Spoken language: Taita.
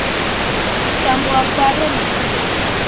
Kutambua kwaro nikii?